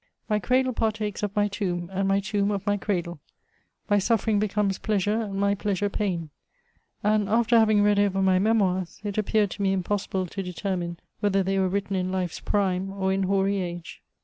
My cradle partakes of my tomb, and my tomb of my cradle ;— my suffering becomes pleasure, and my pleasure pain ;— and, after having read over my Memoirs, it appeared to me impossible to determine whether they were written in life's prime, or in hoary age.